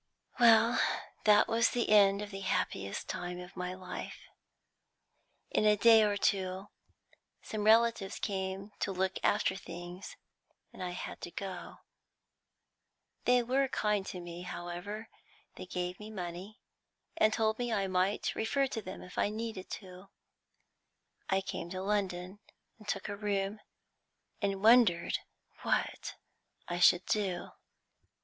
"Well, that was the end of the happiest time of my life. In a day or two some relatives came to look after things, and I had to go. They were kind to me, however; they gave me money, and told me I might refer to them if I needed to. I came to London, and took a room, and wondered what I should do.